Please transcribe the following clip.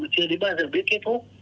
mà chưa đến bao giờ biết kết thúc